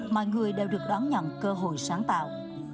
mọi người đều được đón nhận cơ hội sáng tạo